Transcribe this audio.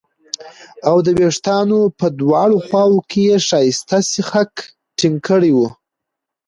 او د وېښتانو په دواړو خواوو کې یې ښایسته سیخک ټینګ کړي وو